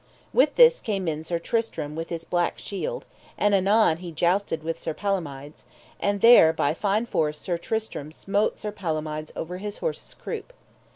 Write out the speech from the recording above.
With this came in Sir Tristram with his black shield, and anon he jousted with Sir Palomides, and there by fine force Sir Tristram smote Sir Palomides over his horse's croup.